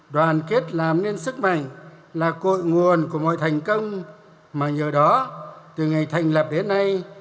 đoàn kết làm nên sức mạnh là cội nguồn của mọi thành công mà nhờ đó từ ngày thành lập đến nay